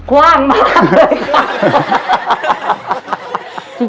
กว้างมากเลยครับ